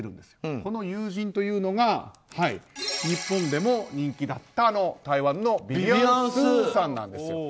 この友人というのが日本でも人気だった台湾のビビアン・スーさんなんです。